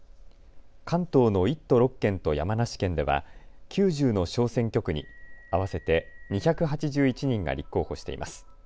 関東の１都６県と山梨県では９０の小選挙区に合わせて２８１人が立候補しています。